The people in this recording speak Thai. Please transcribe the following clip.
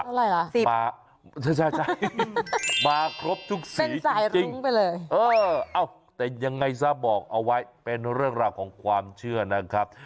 สิบใช่ใช่ใช่มาครบทุกสีจริงจริงเป็นสายรุ้งไปเลยเออเอ้าแต่ยังไงซะบอกเอาไว้เป็นเรื่องราวของความเชื่อนะครับ